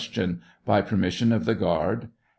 By permission of the guard ?